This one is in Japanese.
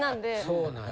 そうなんや。